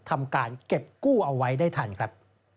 ทำการเก็บกู้เอาไว้ได้ทันครับ